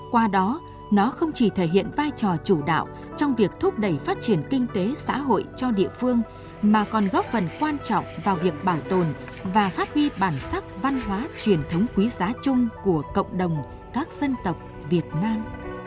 qua đó nó không chỉ thể hiện vai trò chủ đạo trong việc thúc đẩy phát triển kinh tế xã hội cho địa phương mà còn góp phần quan trọng vào việc bảo tồn và phát huy bản sắc văn hóa truyền thống quý giá chung của cộng đồng các dân tộc việt nam